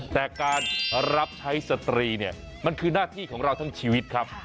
แต่การรับใช้สตรีเนี่ยมันคือหน้าที่ของเราทั้งชีวิตครับ